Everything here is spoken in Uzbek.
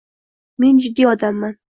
Men jiddiy odamman.